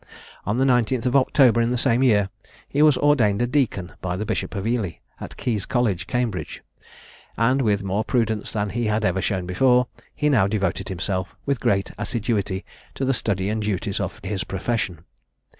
On the 19th of October in the same year, he was ordained a deacon by the Bishop of Ely, at Caius College, Cambridge; and, with more prudence than he had ever shown before, he now devoted himself with great assiduity to the study and duties of his profession.